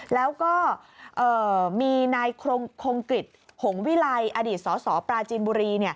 แล้วก็มีนายคงกฤษหงวิลัยอดีตสสปราจีนบุรี